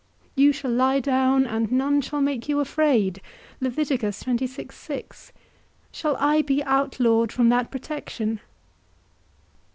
You shall lie down, and none shall make you afraid: shall I be outlawed from that protection?